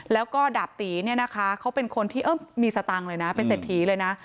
แล้วก็ดาบตีเนี่ยนะคะเขาเป็นคนที่มีสตังค์เลยนะเป็นเศรษฐีเลยนะ